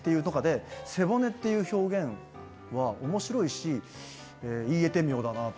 「背骨」っていう表現は面白いし言い得て妙だなと。